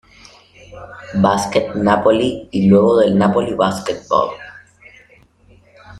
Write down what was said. Basket Napoli y luego del Napoli Basketball.